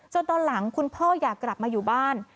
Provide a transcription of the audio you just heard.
ตอนหลังคุณพ่ออยากกลับมาอยู่บ้าน